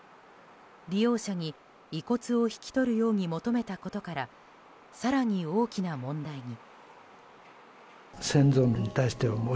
利用者に遺骨を引き取るように求めたことから更に大きな問題に。